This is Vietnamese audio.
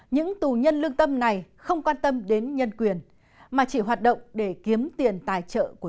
những tù nhân lương tâm này không quan tâm đến nhân quyền mà chỉ hoạt động để kiếm tiền tài trợ của